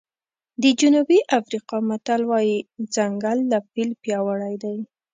د جنوبي افریقا متل وایي ځنګل له فیل پیاوړی دی.